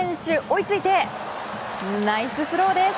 追いついて、ナイススローです！